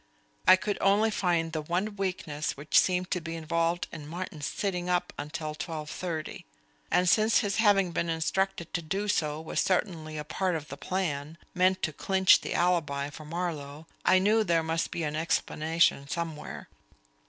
I could only find the one weakness which seemed to be involved in Martin's sitting up until twelve thirty; and since his having been instructed to do so was certainly a part of the plan, meant to clinch the alibi for Marlowe, I knew there must be an explanation somewhere.